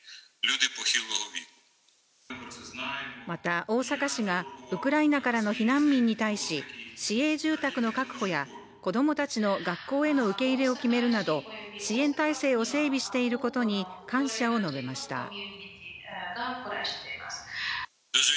また、大阪市がウクライナからの避難民に対し市営住宅の確保や子供たちの学校への受け入れを決めるなど、支援体制を整備していることに感謝を述べました。